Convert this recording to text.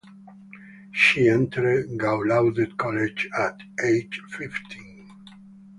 She entered Gallaudet College at age fifteen.